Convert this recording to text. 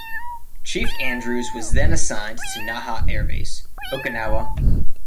Chief Andrews was then assigned to Naha Air Base, Okinawa.